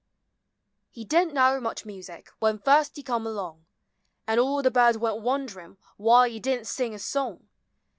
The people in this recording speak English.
• He did n't know much music When first he come along; An' all the birds went wonderin' Why he did n't sing a song.